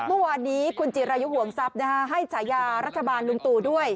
เมื่อวานนี้คุณจิรายุห่วงทรัพย์ให้ฉายารัฐบาลลุงตู่ด้วย